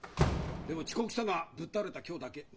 でも遅刻したのはぶっ倒れた今日だけ。